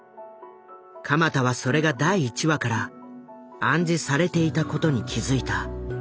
鎌田はそれが第１話から暗示されていたことに気付いた。